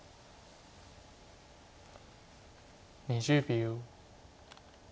２０秒。